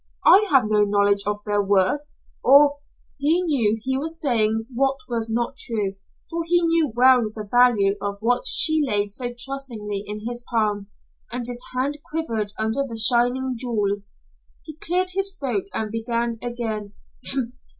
I have no knowledge of their worth or " He knew he was saying what was not true, for he knew well the value of what she laid so trustingly in his palm, and his hand quivered under the shining jewels. He cleared his throat and began again.